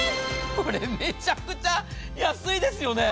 これ、めちゃくちゃ安いですよね。